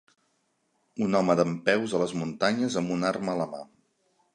Un home dempeus a les muntanyes amb un arma a la mà